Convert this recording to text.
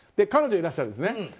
彼女はいらっしゃるんですね。